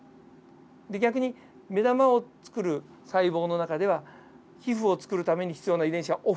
逆に目玉を作る細胞の中では皮膚を作るために必要な遺伝子はオフになってます。